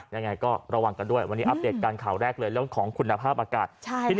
ยังไงก็ระวังกันด้วยวันนี้อัปเดตการข่าวแรกเลยเรื่องของคุณภาพอากาศ